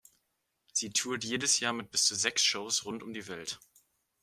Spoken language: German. Sie tourt jedes Jahr mit bis zu sechs Shows rund um die Welt.